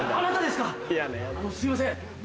すいません僕